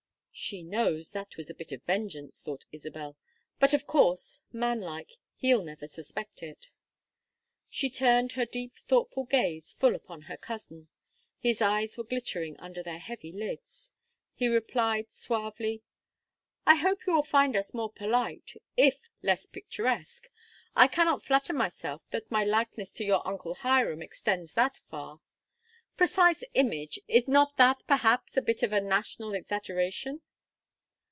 "She knows that was a bit of vengeance," thought Isabel. "But of course, manlike, he'll never suspect it." She turned her deep thoughtful gaze full upon her cousin. His eyes were glittering under their heavy lids. He replied, suavely: "I hope you will find us more polite if less picturesque. I cannot flatter myself that my likeness to your uncle Hiram extends that far. 'Precise image' is not that perhaps a bit of national exaggeration?"